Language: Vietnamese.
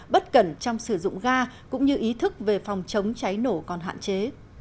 bất cẩn trong sử dụng ga cũng như ý thức về phòng chống cháy nổ còn hạn chế